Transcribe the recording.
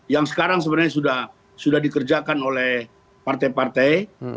yang sekarang sebenarnya sudah dikerjakan oleh partai partai